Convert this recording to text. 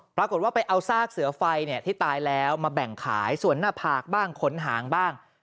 ปรากฏว่าไปเอาซากเสือไฟที่ตายแล้วมาแบ่งขายส่วนหน้าผากบ้างขนหางบ้าง